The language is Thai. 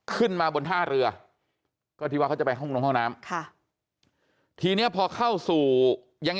ขึ้นมาบนท่าเรือก็ที่ว่าเขาจะไปห้องลงห้องน้ำค่ะทีนี้พอเข้าสู่ยัง